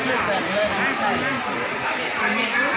และสมบัติสาปรับภาษา